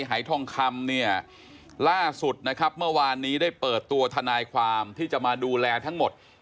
หายทองคำเนี่ยล่าสุดนะครับเมื่อวานนี้ได้เปิดตัวทนายความที่จะมาดูแลทั้งหมด